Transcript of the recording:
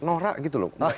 norak gitu loh